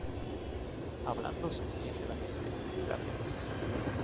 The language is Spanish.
hablando se entiende la gente. gracias .